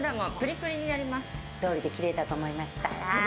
どうりでキレイだと思いました。